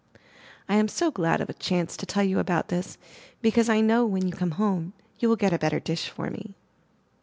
I am so glad of a chance to tell you about this, because I know when you come home you will get a better dish for me.